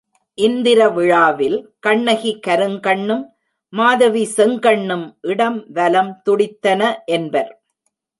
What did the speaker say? இந்திர விழாவில் கண்ணகி கருங்கண்ணும் மாதவி செங்கண்ணும் இடம் வலம் துடித்தன என்பர்.